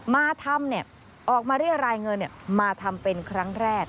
มาทำออกมาเรียรายเงินมาทำเป็นครั้งแรก